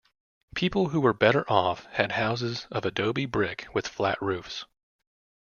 People who were better off had houses of adobe brick with flat roofs.